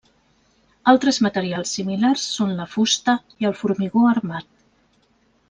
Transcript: Altres materials similars són la fusta i el formigó armat.